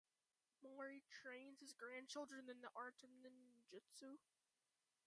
Mori trains his grandchildren in the art of Ninjutsu.